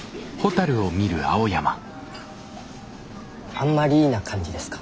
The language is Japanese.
あんまりな感じですか？